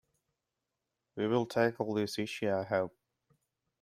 We will tackle this issue, I hope.